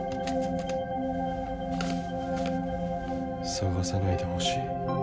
「捜さないでほしい」。